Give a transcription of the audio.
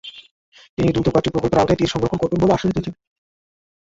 তিনি দ্রুত কয়েকটি প্রকল্পের আওতায় তীর সংরক্ষণ করবেন বলে আশ্বাস দিয়েছেন।